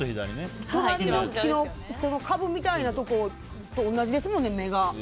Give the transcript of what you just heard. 株みたいなところと同じですもんね、目が。